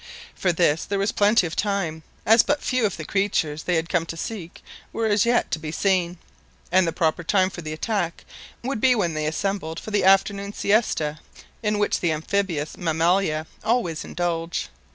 For this there was plenty of time, as but few of the creatures they had come to seek were as yet to be seen, and the proper time for the attack would be when they assembled for the afternoon siesta in which the. amphibious mammalia always indulge.